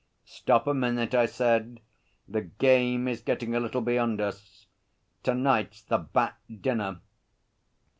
'Stop a minute,' I said. 'The game is getting a little beyond us. To night's the Bat dinner.'